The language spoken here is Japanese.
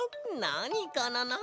なにかな？